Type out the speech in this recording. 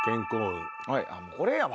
これやわ！